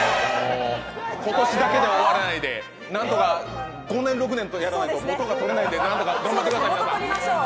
今年だけでは終わらないで、何とか５年、６年とやらないと元が取れないんで何とか頑張ってください。